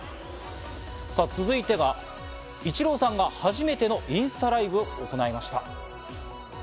さあ続いてはイチローさんが初めてのインスタライブを行いました。